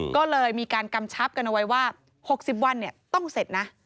ก็เลยมีการกำชับกันเอาไว้ว่า๖๐วันต้องเสร็จนะ